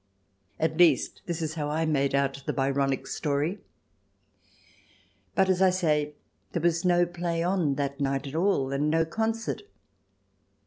At least, this is how I made out the Byronic story. But as I say, there was no play on that night at all, and no concert.